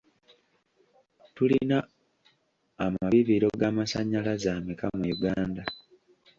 Tulina amabibiro g'amasannyalaze ameka mu Uganda?